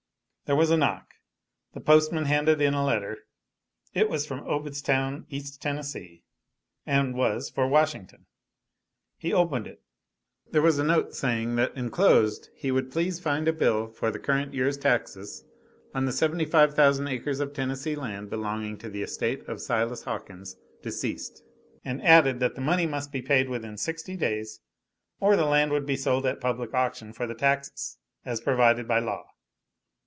There was a knock the postman handed in a letter. It was from Obedstown, East Tennessee, and was for Washington. He opened it. There was a note saying that enclosed he would please find a bill for the current year's taxes on the 75,000 acres of Tennessee Land belonging to the estate of Silas Hawkins, deceased, and added that the money must be paid within sixty days or the land would be sold at public auction for the taxes, as provided by law.